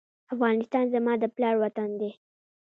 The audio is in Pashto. افغانستان زما د پلار وطن دی؟